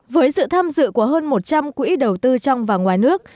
với sự tham dự của hơn một trăm linh quỹ đầu tư trong và ngoài nước